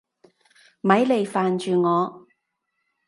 咪嚟煩住我！